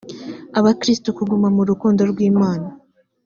abakristo kuguma mu rukundo rw imana